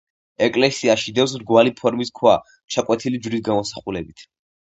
ეკლესიაში დევს მრგვალი ფორმის ქვა ჩაკვეთილი ჯვრის გამოსახულებით.